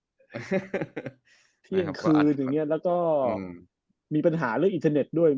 เที่ยงคืนอย่างนี้แล้วก็มีปัญหาเรื่องอินเทอร์เน็ตด้วย